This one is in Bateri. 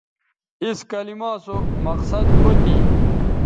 اِس کلما سو مقصد او تھی